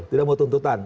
tidak mau tuntutan